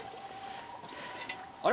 あれ？